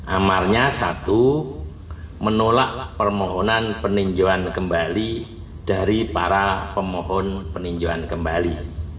amarnya satu menolak permohonan peninjauan kembali dari para pemohon peninjauan kembali